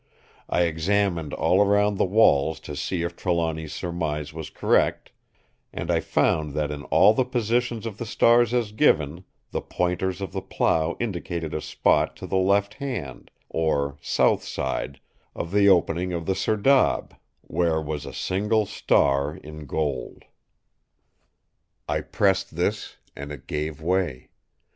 I examined all round the walls to see if Trelawny's surmise was correct; and I found that in all the positions of the stars as given, the Pointers of the Plough indicated a spot to the left hand, or south side, of the opening of the serdab, where was a single star in gold. "I pressed this, and it gave way.